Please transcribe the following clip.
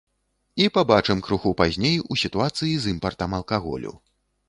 І пабачым крыху пазней у сітуацыі з імпартам алкаголю.